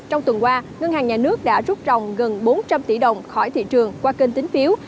trong tuần qua ngân hàng nhà nước đã rút rồng gần bốn trăm linh tỷ đồng khỏi thị trường qua kênh tính phiếu